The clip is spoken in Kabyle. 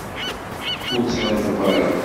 Ur ttṛaju ara.